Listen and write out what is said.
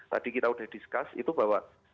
tadi kita sudah discuss itu bahwa